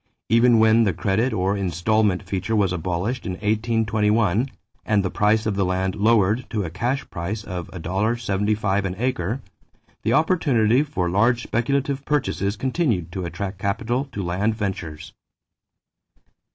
Even when the credit or installment feature was abolished in 1821 and the price of the land lowered to a cash price of $1.75 an acre, the opportunity for large speculative purchases continued to attract capital to land ventures.